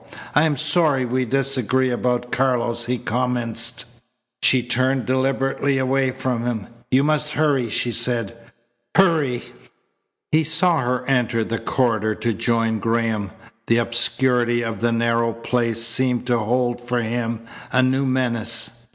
"I am sorry we disagree about Carlos," he commenced. She turned deliberately away from him. "You must hurry," she said. "Hurry!" He saw her enter the corridor to join Graham. The obscurity of the narrow place seemed to hold for him a new menace.